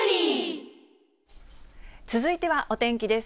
続いてはお天気です。